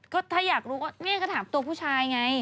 ก็ถ้าอยากรู้ก็เนี่ยก็ถามตัวผู้ชายไง